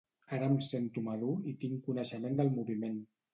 Ara em sento madur i tinc coneixement del moviment.